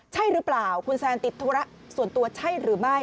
ใช่หรือเปล่าคุณแซนติดธุระส่วนตัวใช่หรือไม่